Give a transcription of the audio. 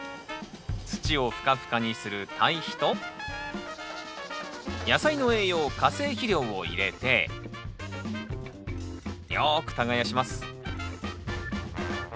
土をふかふかにする堆肥と野菜の栄養化成肥料を入れてよく耕します